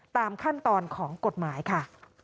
ตามขั้นตอนของกฎหมายค่ะ